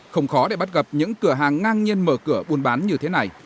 không khó để bắt gặp những cửa hàng ngang nhiên mở cửa buôn bán như thế này